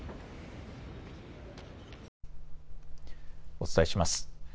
お伝えします。